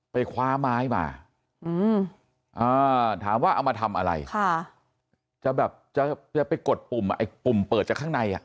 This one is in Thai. ไปคว้าไม้มาถามว่าเอามาทำอะไรจะไปกดปุ่มปุ่มเปิดจากข้างใน